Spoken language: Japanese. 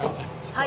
はい。